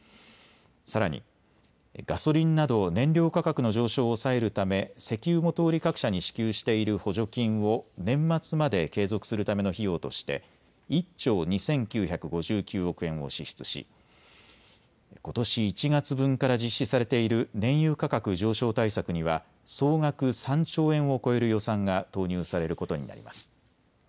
さらに、ガソリンなど燃料価格の上昇を抑えるため石油元売り各社に支給している補助金を年末まで継続するための費用として１兆２９５９億円を支出し、ことし１月分から実施されている燃油価格上昇対策には総額３兆円を超える予算が投入されることになります。